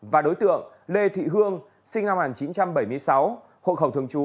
và đối tượng lê thị hương sinh năm một nghìn chín trăm bảy mươi sáu hộ khẩu thường trú